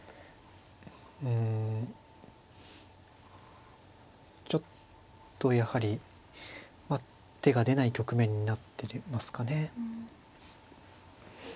うんちょっとやはり手が出ない局面になってますかね。